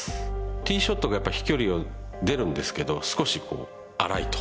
ティーショットがやっぱり飛距離出るんですけど少し荒いと。